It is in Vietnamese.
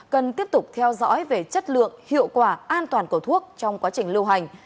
cần tiếp tục theo dõi về chất lượng hiệu quả an toàn của thuốc trong quá trình